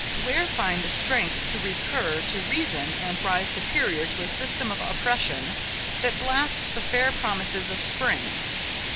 where find strength to recur to reason and rise superior to a system of oppression, that blasts the fair promises of spring?